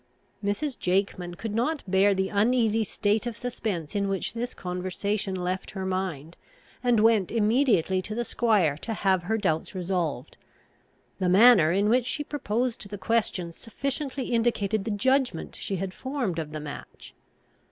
Mrs. Jakeman could not bear the uneasy state of suspense in which this conversation left her mind, and went immediately to the squire to have her doubts resolved. The manner in which she proposed the question, sufficiently indicated the judgment she had formed of the match.